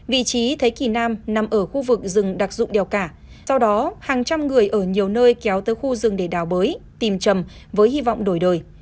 vị trí thế kỳ nam nằm ở khu vực rừng đặc dụng đèo cả sau đó hàng trăm người ở nhiều nơi kéo tới khu rừng để đào bới tìm chầm với hy vọng đổi đời